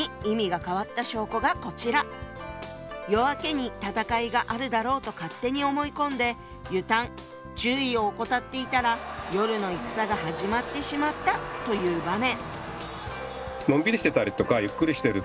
夜明けに戦いがあるだろうと勝手に思い込んで「ゆたむ」注意を怠っていたら夜の戦が始まってしまったという場面。